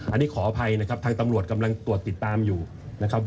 อันนี้ขออภัยนะครับทางตำรวจกำลังตรวจติดตามอยู่นะครับ